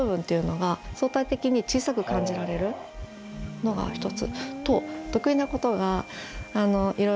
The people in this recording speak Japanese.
のが一つと。